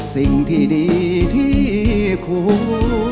สิ่งที่ดีที่ควร